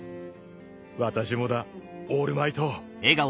私もだオールマイト。